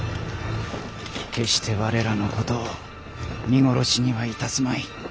決して我らのことを見殺しにはいたすまい。